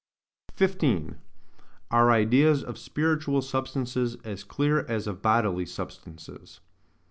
15. Our Ideas of spiritual Substances, as clear as of bodily Substances.